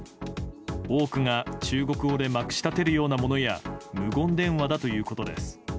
多くが、中国語でまくし立てるようなものや無言電話だということです。